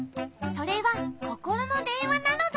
それはココロのでんわなのだ。